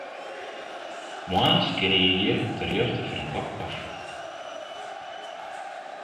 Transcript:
Moarns kinne jo hjir terjochte foar in kop kofje.